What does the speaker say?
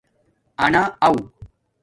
اَنا آݸ